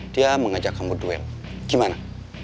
dia mengajak kamu duel gimana